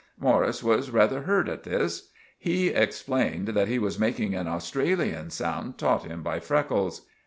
Morris was rather hurt at this. Me explained that he was making an Australian sound tought him by Freckles.